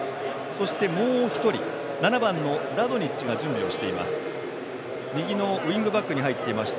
そして、もう１人７番のラドニッチが準備をしています。